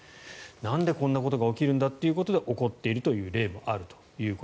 なんでこんなことが起きるんだっていうことで怒っている例もあると。